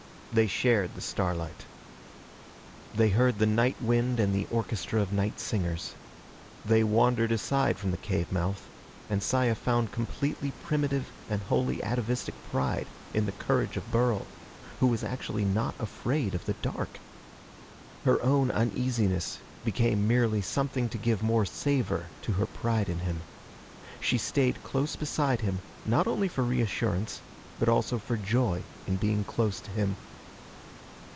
They shared the starlight. They heard the nightwind and the orchestra of night singers. They wandered aside from the cave mouth, and Saya found completely primitive and wholly atavistic pride in the courage of Burl, who was actually not afraid of the dark! Her own uneasiness became merely something to give more savor to her pride in him. She stayed close beside him, not only for reassurance but also for joy in being close to him.